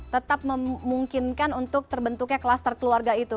tetap memungkinkan untuk terbentuknya kluster keluarga itu